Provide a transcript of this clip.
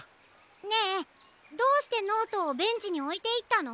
ねえどうしてノートをベンチにおいていったの？